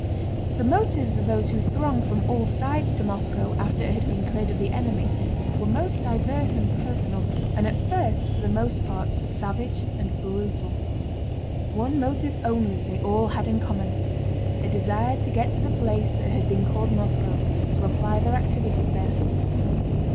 The motives of those who thronged from all sides to Moscow after it had been cleared of the enemy were most diverse and personal, and at first for the most part savage and brutal. One motive only they all had in common: a desire to get to the place that had been called Moscow, to apply their activities there.